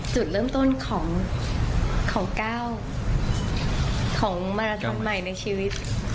เป็นเริ่มต้นของก้าวของมรรธรรมใหม่ในชีวิต